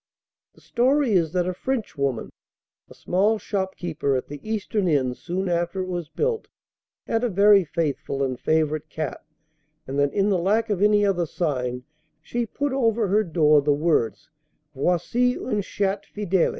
The story is that a Frenchwoman, a small shopkeeper at the eastern end soon after it was built, had a very faithful and favourite cat, and that in the lack of any other sign she put over her door the words, 'Voici un Chat fidèle.'